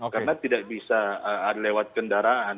karena tidak bisa lewat kendaraan